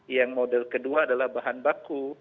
yang model kedua adalah bahan baku